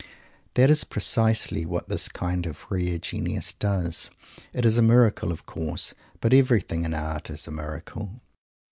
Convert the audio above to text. That is precisely what this kind of rare genius does. It is a miracle, of course, but everything in art is a miracle.